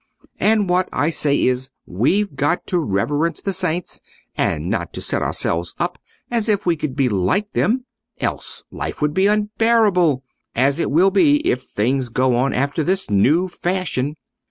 And what I say is, we've got to reverence the saints, and not to set ourselves up as if we could be like them, else life would be unbearable; as it will be if things go on after this new fashion.